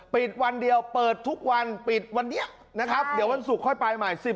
ปิดวันเดียวเปิดทุกวันปิดวันนี้นะครับเดี๋ยววันศุกร์ค่อยไปใหม่